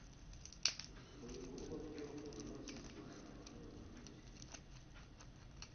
mu bikorwa byo umunsirwanya umwuzure